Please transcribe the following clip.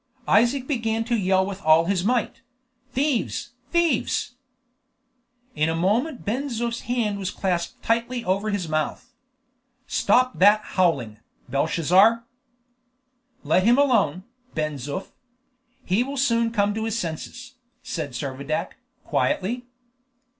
Isaac began to yell with all his might: "Thieves! thieves!" In a moment Ben Zoof's hand was clasped tightly over his mouth. "Stop that howling, Belshazzar!" "Let him alone, Ben Zoof. He will soon come to his senses," said Servadac, quietly.